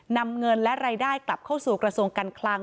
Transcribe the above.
นำเงินและรายได้กลับเข้าสู่กระทรวงการคลัง